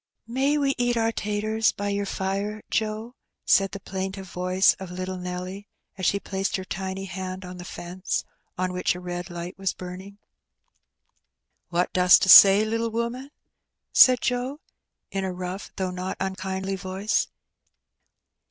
"May we eat our taters by your fire, Joe?" said the plaintive voice of little Nelly, as she placed her tiny hand on the fence, on which a red light was burning. ''What dost 'a say, little woman?" said Joe, in a rough though not unkindly voice.